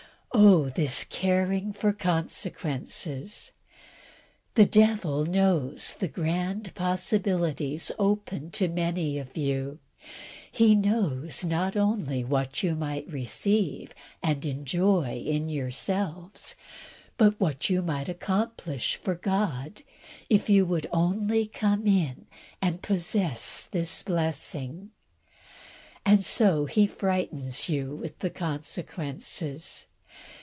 Oh! this caring for consequences! The devil knows the grand possibilities open to many of you; he knows not only what you might receive and enjoy in yourselves, but what you might accomplish for God if you would only come in and possess this blessing; and so he frightens you with consequences.